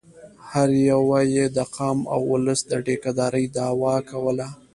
هر یوه یې د قام او اولس د ټیکه دارۍ دعوه کوله.